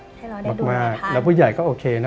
เป็นโอกาสมากแล้วผู้ใหญ่ก็โอเคนะ